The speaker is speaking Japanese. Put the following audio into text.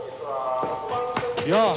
やあ。